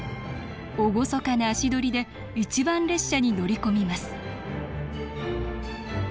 厳かな足取りで一番列車に乗り込みます